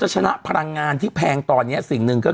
จริงใช่ป่ะอยู่แถวนี้เองก็ดิ